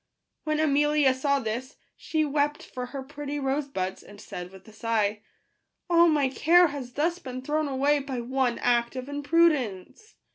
When Amelia saw this, she wept for her pretty rose buds, and said with a sigh, " All my care has thus been thrown away by one act of imprudence